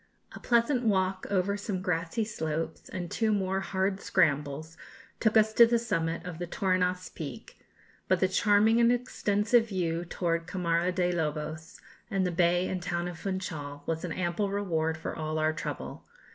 A pleasant walk over some grassy slopes, and two more hard scrambles, took us to the summit of the Torrinhas Peak; but the charming and extensive view towards Camara de Lobos, and the bay and town of Funchal, was an ample reward for all our trouble.